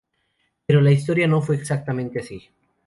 Pero la historia no fue exactamente así.